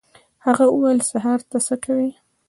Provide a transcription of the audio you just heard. هغه وویل: «سهار ته څه کوې؟»